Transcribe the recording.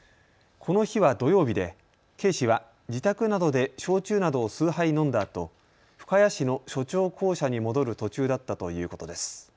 この日は土曜日で警視は自宅などで焼酎などを数杯飲んだあと深谷市の署長公舎に戻る途中だったということです。